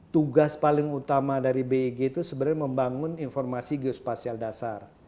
tugas paling utama dari beg itu sebenarnya membangun informasi geospasial dasar